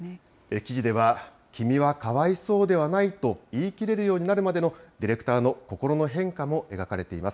記事では、君はかわいそうではないと言いきれるようになるまでのディレクターの心の変化も描かれています。